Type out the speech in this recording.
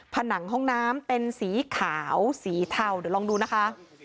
ผนังห้องน้ำเป็นสีขาวสีเทาเดี๋ยวลองดูนะคะ